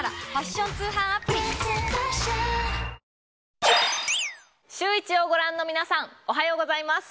シューイチをご覧の皆さん、おはようございます。